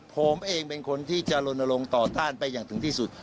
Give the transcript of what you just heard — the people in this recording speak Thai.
ผมเองเป็นคนที่จะลนลงต่อต้านไปอย่างถึงที่สุด